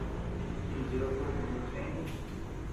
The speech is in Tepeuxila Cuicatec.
Iña chi beajuku mi cheë iña.